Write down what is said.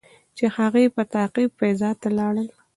چې د هغې په تعقیب فضا ته لاړل.